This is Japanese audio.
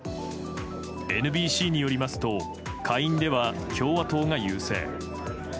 ＮＢＣによりますと下院では共和党が優勢。